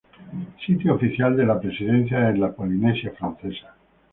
Sitio oficial de la presidencia de la Polinesia Francesa